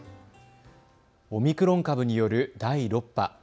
オミクロン株による第６波。